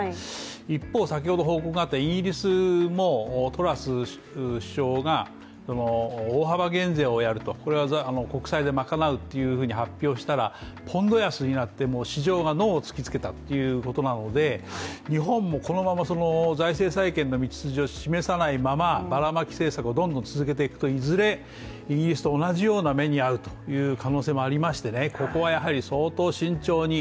一方、先ほど報告があったイギリスもトラス首相が大幅減税をやると、これは国債で賄うと発表したら、ポンド安になって市場がノーを突きつけたということなので日本もこのまま財政再建の道筋を示さないままばらまき政策をどんどん続けていくといずれイギリスと同じような目に遭うという可能性もありまして、ここはもう相当慎重に